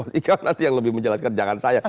ika nanti yang lebih menjelaskan jangan saya